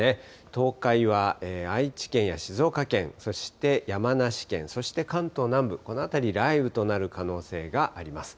東海は愛知県や静岡県、そして山梨県、そして関東南部、この辺り、雷雨となる可能性があります。